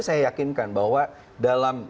saya yakinkan bahwa dalam